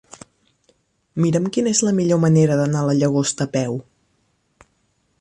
Mira'm quina és la millor manera d'anar a la Llagosta a peu.